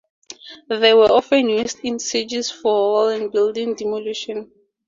They were often used in sieges for wall and building demolition.